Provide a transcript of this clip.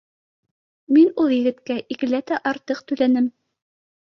Мин ул егеткә икеләтә артыҡ түләнем